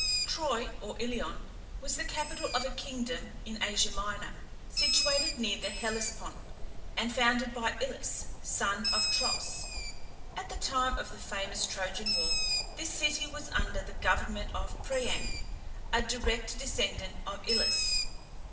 Troy or Ilion was the capital of a kingdom in Asia Minor, situated near the Hellespont, and founded by Ilus, son of Tros. At the time of the famous Trojan war this city was under the government of Priam, a direct descendant of Ilus.